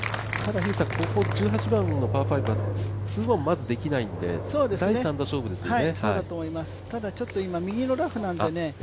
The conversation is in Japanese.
ここ、１８番のパー５はツーオンできないんで第３の勝負ですよね。